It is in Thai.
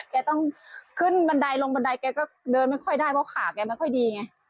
แกต้องขึ้นบันไดลงบันไดแกก็เดินไม่ค่อยได้เพราะขาแกไม่ค่อยดีไง